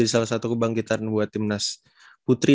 salah satu kebangkitan buat timnas putri